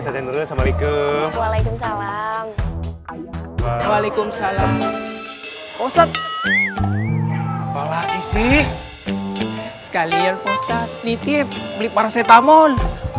jadi saya butuh parasetamol